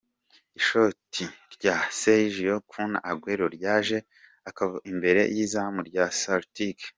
Ishoti rya Sergio Kun Aguero ryateje akavuyo imbere y'izamu rya Celtic.